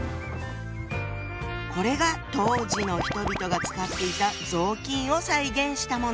これが当時の人々が使っていた雑巾を再現したもの。